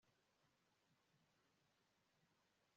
numvise noneho ibyanjye birangiye